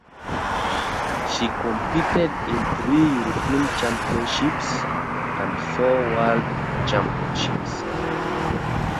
She competed in three European Championships and four World Championships.